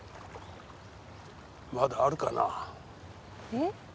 まだあるかなぁ？え？